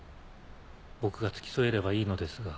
僕が付き添えればいいのですが。